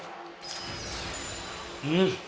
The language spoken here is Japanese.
うん！